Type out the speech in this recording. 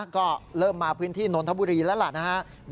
ก็เริ่มมาพื้นที่นนทบุรีแล้วล่ะนะครับ